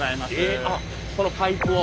えっあっこのパイプを？